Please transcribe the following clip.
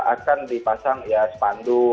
akan dipasang ya spandu